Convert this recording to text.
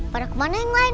pada kemana yang lain